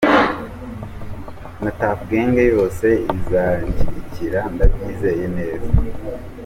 Na Tuff Gang yose izanshyigikira ndabyizeye neza”.